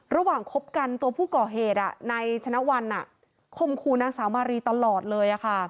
คบกันตัวผู้ก่อเหตุในชนะวันคมคู่นางสาวมารีตลอดเลย